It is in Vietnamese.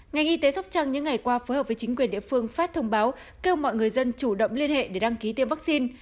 ngành y tế sóc trăng những ngày qua phối hợp với chính quyền địa phương phát thông báo kêu gọi người dân chủ động liên hệ để đăng ký tiêm vaccine